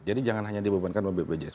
jadi jangan hanya dibebankan oleh bpjs